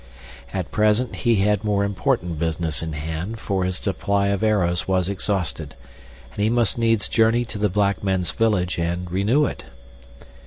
At present he had more important business in hand, for his supply of arrows was exhausted, and he must needs journey to the black men's village and renew it.